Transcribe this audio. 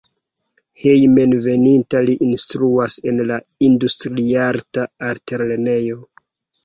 Hejmenveninta li instruas en la Industriarta Altlernejo.